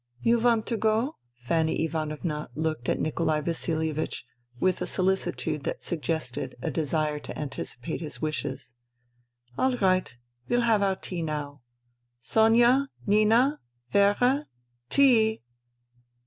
" You want to go ?Fanny Ivanovna looked at Nikolai Vasilievich with a solicitude that suggested a desire to anticipate his wishes. " All right. We'll have our tea now. Sonia ! Nina 1 Vera ! Tea."